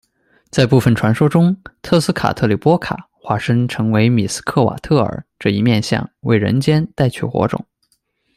在部分传说中，特斯卡特利波卡化身成为米斯科瓦特尔这一面相，为人间带去火种。